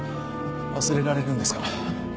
忘れられるんですか。